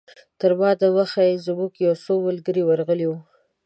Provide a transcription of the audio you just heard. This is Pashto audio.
تر ما دمخه زموږ یو څو ملګري ورغلي وو.